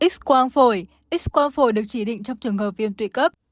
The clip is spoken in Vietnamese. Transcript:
x quang phổi x quang phổi được chỉ định trong trường hợp viêm tụy cấp